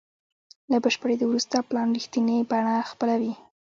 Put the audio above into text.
له بشپړېدو وروسته پلان رښتینې بڼه خپلوي.